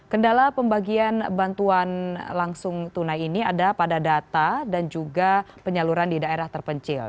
kendala pembagian bantuan langsung tunai ini ada pada data dan juga penyaluran di daerah terpencil